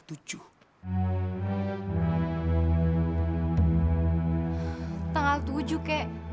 tanggal tujuh kek